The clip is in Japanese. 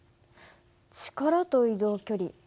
力と移動距離。